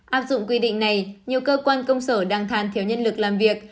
áp dụng quy định này nhiều cơ quan công sở đang thàn thiếu nhân lực làm việc